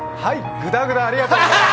グダグダ、ありがとうございます。